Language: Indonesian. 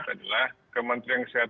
kita tidak tahu apa yang akan terjadi